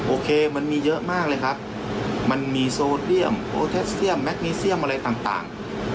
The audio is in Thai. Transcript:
โอเคมันมีเยอะมากเลยครับมันมีโซเดียมโอเทสเซียมแก๊มิเซียมอะไรต่าง